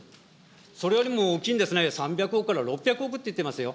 それよりも大きいんですね、３００億から６００億っていってますよ。